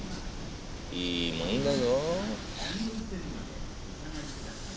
いいもんだぞ。